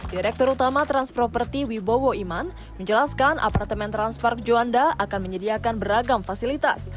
direktur utama transproperty wibowo iman menjelaskan apartemen transpark juanda akan menyediakan beragam fasilitas